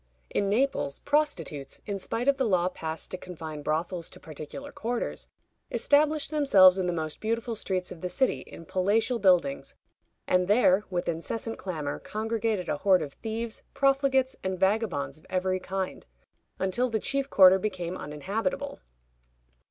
In Naples, prostitutes, in spite of the law passed to confine brothels to particular quarters, established themselves in the most beautiful streets of the city in palatial buildings, and there, with incessant clamor, congregated a horde of thieves, profligates, and vagabonds of every kind, until the chief quarter became uninhabitable.